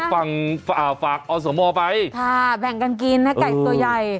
แล้วก็ฝากอสโมไปค่ะแบ่งกันกินให้ไก่ตัวใหญ่